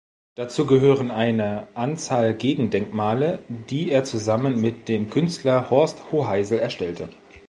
Dazu gehören eine Anzahl „Gegen-Denkmale“, die er zusammen mit dem Künstler Horst Hoheisel erstellte.